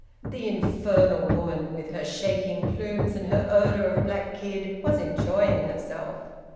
The infernal woman, with her shaking plumes and her odour of black kid, was enjoying herself!